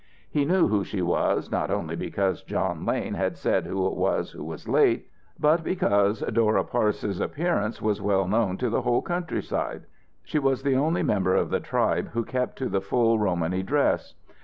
He knew who she was, not only because John Lane had said who it was who was late, but because Dora Parse's appearance was well known to the whole countryside. She was the only member of the tribe who kept to the full Romany dress.